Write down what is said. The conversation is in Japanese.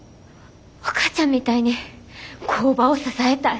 お母ちゃんみたいに工場を支えたい。